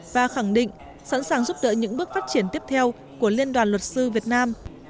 và khẳng định sẵn sàng giúp đỡ những bước phát triển tiếp theo của liên đoàn luật sư việt nam